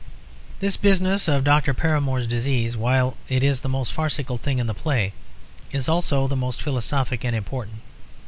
This business of Dr. Paramore's disease while it is the most farcical thing in the play is also the most philosophic and important.